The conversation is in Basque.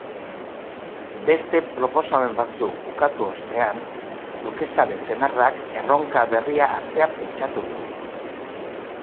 Beste proposamen batzuk ukatu ostean, dukesaren senarrak erronka berria hastea pentsatu du.